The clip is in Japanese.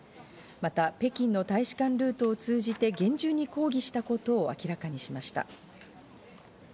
また、北京の大使館ルートを通じて厳重に抗議したことを明らかにしました。